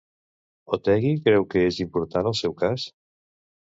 Otegi creu que és important el seu cas?